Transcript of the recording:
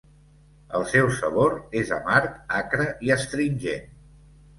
El seu sabor és amarg, acre i astringent.